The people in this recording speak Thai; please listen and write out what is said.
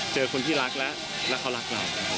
เจอคนที่รักและเขารักเรา